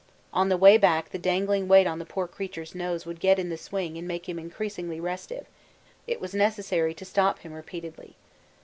On the way back the dangling weight on the poor creature's nose would get on the swing and make him increasingly restive; it was necessary to stop him repeatedly.